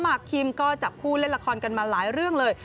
คิมก็จับผู้เล่นละครกันมาหลายเรื่องเลย